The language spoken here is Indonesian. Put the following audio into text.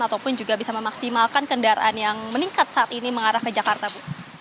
ataupun juga bisa memaksimalkan kendaraan yang meningkat saat ini mengarah ke jakarta bu